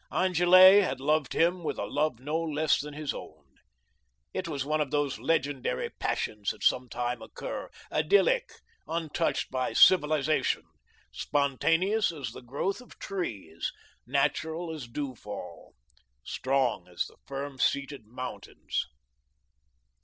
Angele had loved him with a love no less than his own. It was one of those legendary passions that sometimes occur, idyllic, untouched by civilisation, spontaneous as the growth of trees, natural as dew fall, strong as the firm seated mountains.